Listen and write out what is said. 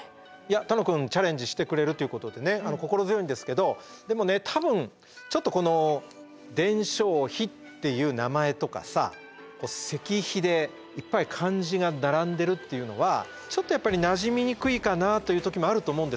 楽くんチャレンジしてくれるということでね心強いんですけどでもね多分ちょっとこの「伝承碑」っていう名前とかさ石碑でいっぱい漢字が並んでるっていうのはちょっとやっぱりなじみにくいかなあという時もあると思うんです。